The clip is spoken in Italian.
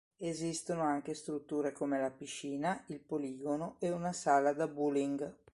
Esistono anche strutture come la piscina, il poligono e una sala da bowling.